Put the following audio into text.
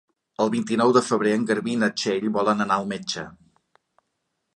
El vint-i-nou de febrer en Garbí i na Txell volen anar al metge.